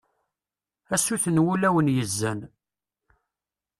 a sut n wulawen yezzan